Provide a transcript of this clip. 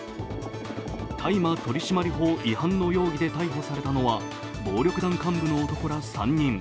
大麻取締法違反の容疑で逮捕されたのは暴力団幹部の男ら３人。